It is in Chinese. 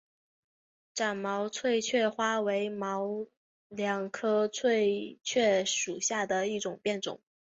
展毛翠雀花为毛茛科翠雀属下的一个变种。